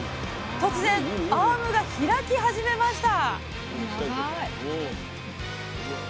突然アームが開き始めました！